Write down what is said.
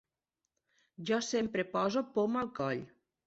Jo sempre poso poma al coll.